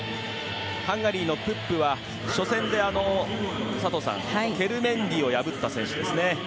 ハンガリーのプップは初戦で佐藤さん、ケルメンディを破った選手ですね。